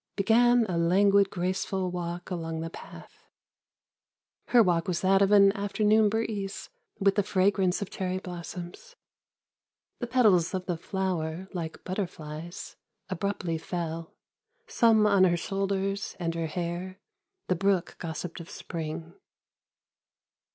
Began a languid, graceful walk along the path : Her walk was that of an afternoon breeze With the fragrance of cherry blossoms. The petals of the flower, like butterflies. Abruptly fell, some on her shoulders And her hair ; the brook gossiped of Spring.